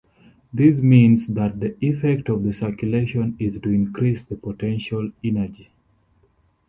This means that the effect of the circulation is to increase the potential energy.